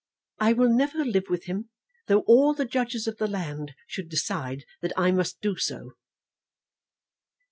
I will never live with him though all the judges of the land should decide that I must do so."